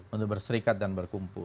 untuk berserikat dan berkumpul